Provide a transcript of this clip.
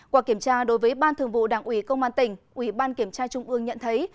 qua kiểm tra đối với ban thường vụ đảng ủy công an tỉnh ủy ban kiểm tra trung ương nhận thấy